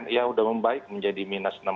ya sudah membaik menjadi minus enam puluh